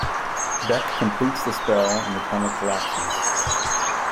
Bec completes the spell, and the tunnel collapses.